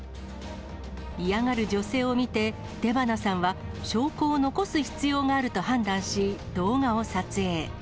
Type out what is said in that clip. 嫌がる女性を見て、出花さんは証拠を残す必要があると判断し、動画を撮影。